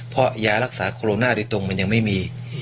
เพราะยารักษาโคโรนาโดยตรงมันยังไม่มี